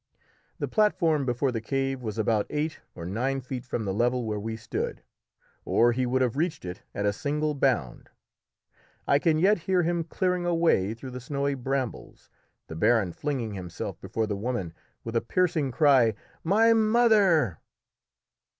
The platform before the cave was about eight or nine feet from the level where we stood, or he would have reached it at a single bound. I can yet hear him clearing a way through the snowy brambles, the baron flinging himself before the woman with a piercing cry, "My mother!"